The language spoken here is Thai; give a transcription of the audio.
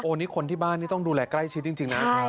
นี่คนที่บ้านนี่ต้องดูแลใกล้ชิดจริงนะ